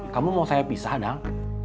kamu mau saya pisah dong